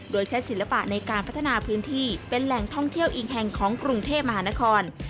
โดยใช้ศิลปะในการพัฒนาพื้นที่เป็นแหล่งท่องเที่ยวอีกแห่งของกรุงเทพมหานคร